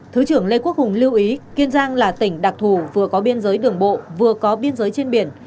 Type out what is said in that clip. thứ trưởng lê quốc hùng lưu ý kiên giang là tỉnh đặc thù vừa có biên giới đường bộ vừa có biên giới trên biển